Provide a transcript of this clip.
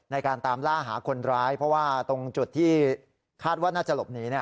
ในการตามล่าหาคนร้ายเพราะว่าตรงจุดที่คาดว่าน่าจะหลบหนี